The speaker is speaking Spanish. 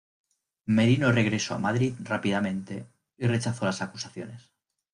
Merino regresó a Madrid rápidamente y rechazó las acusaciones.